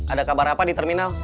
ada kabar apa di terminal